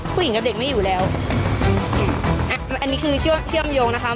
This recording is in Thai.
ผู้หญิงกับเด็กไม่อยู่แล้วอันนี้คือเชื่อเชื่อมโยงนะคะ